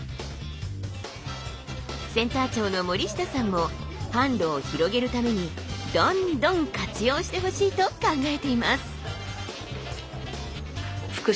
センター長の森下さんも販路を広げるためにどんどん活用してほしいと考えています。